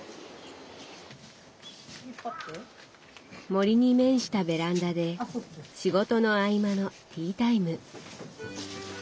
森に面したベランダで仕事の合間のティータイム。